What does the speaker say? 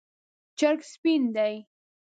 چرګ سپین دی